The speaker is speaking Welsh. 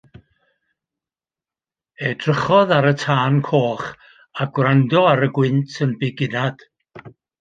Edrychodd ar y tân coch a gwrando ar y gwynt yn bugunad.